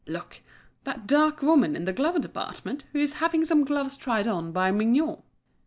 Look! that dark woman in the glove department, who is having some gloves tried on by Mignot."